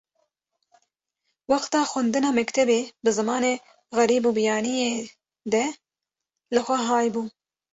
Wexta xwendina mektebê bi zimanê xerîb û biyaniyê de li xwe haybûm.